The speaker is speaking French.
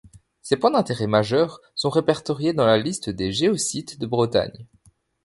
Ses points d'intérêt majeur sont répertoriés dans la liste des géosites de Bretagne.